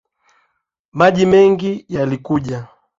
Maji mengi yalikuja